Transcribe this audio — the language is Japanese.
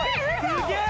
すげえ！